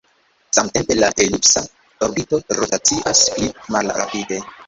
Samtempe, la elipsa orbito rotacias pli malrapide.